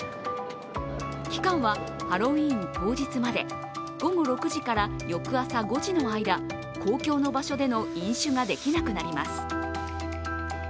期間はハロウィーン当日まで午後６時から翌朝５時の間公共の場所での飲酒ができなくなります。